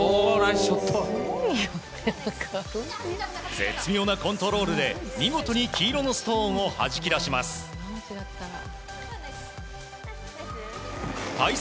絶妙なコントロールで見事、黄色のストーンをはじき出します。